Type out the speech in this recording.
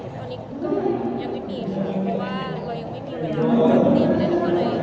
ตอนนี้ก็ยังไม่มีเพราะว่าเรายังไม่มีเวลาจะเตรียมอะไร